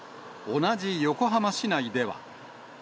同じ横浜市内では。